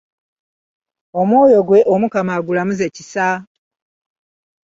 Omwoyo gwe Omukama agulamuze kisa!